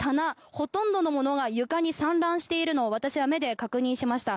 ほとんどのものが床に散乱しているのを私は目で確認しました。